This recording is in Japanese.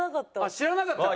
知らなかったの？